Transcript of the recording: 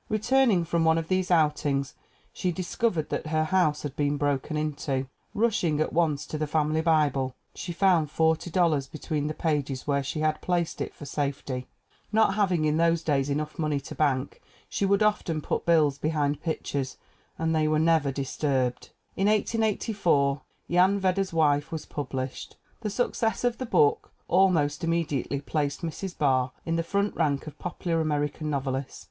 Returning from one of these outings she discovered that her house had been broken into. Rushing at once to the family Bible, she found $40 between the pages where she had placed it for safety. Not having in 310 THE WOMEN WHO MAKE OUR NOVELS those days enough money to bank, she would often put bills behind pictures, and they were never dis turbed. In 1884 Jan Vedder's Wife was published. The success of this book almost immediately placed Mrs. Barr in the front rank of popular American novelists.